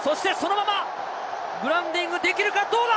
そのままグラウンディングできるか、どうか？